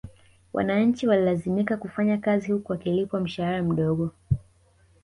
Wananchi walilazimika kufanya kazi huku wakilipwa mshahara mdogo